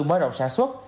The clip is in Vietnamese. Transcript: mới đồng sản xuất